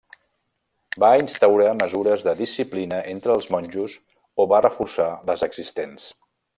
Va instaurar mesures de disciplina entre els monjos o va reforçar les existents.